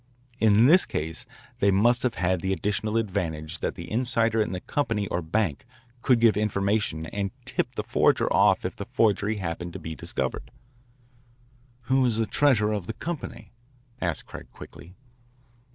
In this case they must have had the additional advantage that the insider in the company or bank could give information and tip the forger off if the forgery happened to be discovered." "Who is the treasurer of the company?" asked Craig quickly.